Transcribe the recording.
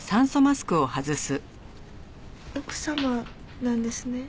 奥様なんですね。